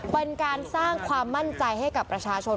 เป็นการสร้างความมั่นใจให้กับประชาชน